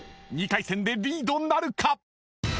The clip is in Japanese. ［２回戦でリードなるか⁉］